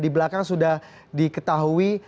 di belakang sudah diketahui